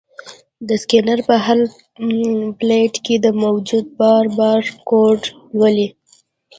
دا سکینر په هر پلیټ کې د موجود بار بارکوډ لولي.